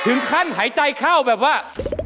ถึงขั้นหายใจเข้าแบบว่า